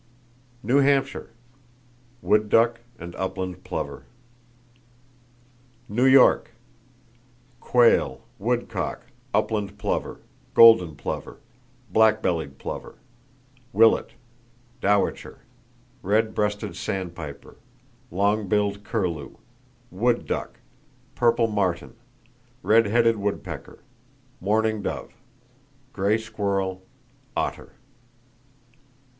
New Hampshire: Wood duck and upland plover. New York: Quail, woodcock, upland plover, golden plover, black bellied plover, willet, dowitcher, red breasted sandpiper, long billed curlew, wood duck, purple martin, redheaded woodpecker, mourning dove; gray squirrel, otter.